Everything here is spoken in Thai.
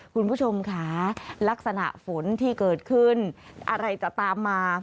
คุณผู้ชมค่ะลักษณะฝนที่เกิดขึ้นอะไรจะตามมา